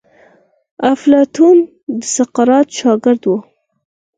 افلاطون د سقراط شاګرد وو.